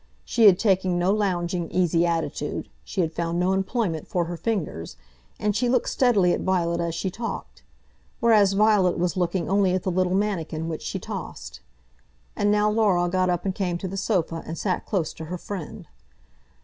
She had taken no lounging, easy attitude, she had found no employment for her fingers, and she looked steadily at Violet as she talked, whereas Violet was looking only at the little manikin which she tossed. And now Laura got up and came to the sofa, and sat close to her friend.